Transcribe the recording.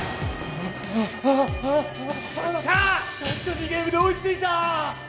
たった２ゲームで追い付いた！